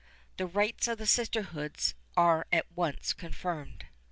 The rights of the sisterhoods are at once confirmed.